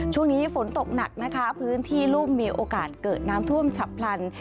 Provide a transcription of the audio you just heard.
ช่วงนี้ฝนตกหนักนะคะพื้นที่รุ่มมีโอกาสเกิดน้ำท่วมฉับพลัน